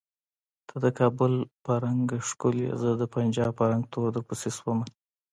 ته د کابل په رنګه ښکولیه زه د پنجاب په رنګ تور درپسې شومه